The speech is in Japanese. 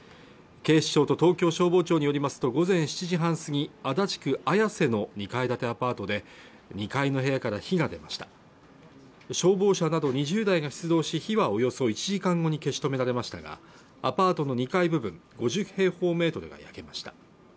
警視庁と東京消防庁によりますと午前７時半過ぎ足立区綾瀬の２階建てアパートで２階の部屋から火が出ました消防車など２０台が出動し火はおよそ１時間後に消し止められましたがアパートの２階部分５０平方メートルが焼けました